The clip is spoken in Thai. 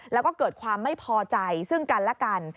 แล้วก็เกิดความไม่พอใจซึ่งกันและกัน